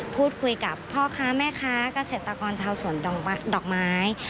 พูดคุยกับพ่อค้าแม่ค้ากระเหศจรับตะกอนชาวศวนดอกไม้